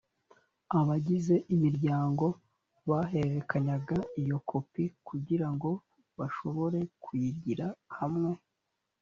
abagize imiryango bahererekanyaga iyo kopi kugira ngo bashobore kuyigira hamwe